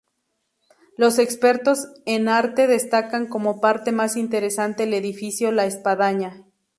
Los expertos en arte destacan como parte más interesante del edificio la espadaña.